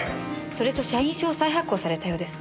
それと社員証を再発行されたようですねえ。